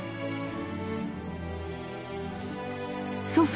祖父